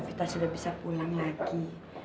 kita sudah bisa pulang lagi